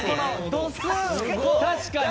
確かに！